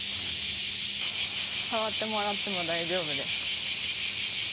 触ってもらっても大丈夫です。